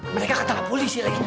mereka kata gak pulisi lagi